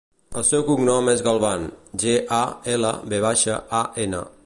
El seu cognom és Galvan: ge, a, ela, ve baixa, a, ena.